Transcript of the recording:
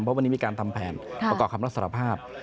เพราะวันนี้มีการทำแผนประกอบคำรับสารภาพ